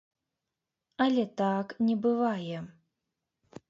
Але так не бывае.